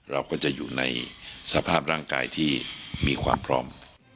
เราก็จะอยู่ในสภาพร่างกายที่มีความพร้อม